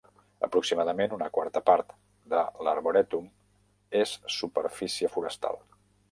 Aproximadament una quarta part de l'arborètum és superfície forestal.